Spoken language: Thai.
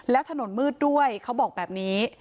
แล้วถนนมืดด้วยเขาบอกแบบนี้